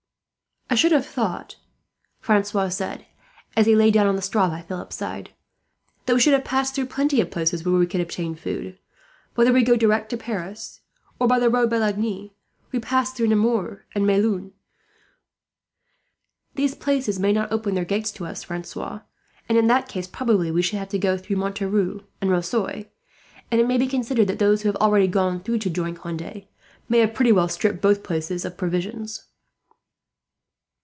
"I should have thought," Francois said, as he lay down on the straw by Philip's side, "that we should have passed through plenty of places where we could obtain food. Whether we go direct to Paris, or by the road by Lagny, we pass through Nemours and Melun." "These places may not open their gates to us, Francois; and in that case probably we should go through Montereau and Rosoy, and it may be considered that those who have already gone through to join Conde may have pretty well stripped both places of provisions."